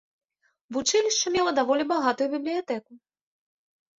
Вучылішча мела даволі багатую бібліятэку.